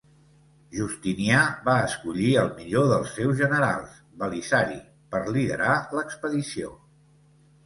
Justinià va escollir al millor dels seus generals, Belisari, per liderar l'expedició.